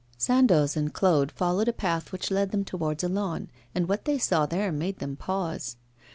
Sandoz and Claude followed a path which led them towards a lawn, and what they saw there made them pause.